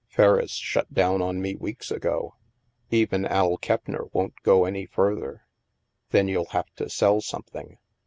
Ferriss shut down on me weeks ago. Even Al Keppner won't go any further." " Then you'll have to sell something.